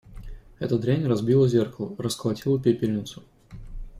Эта дрянь разбила зеркало, расколотила пепельницу.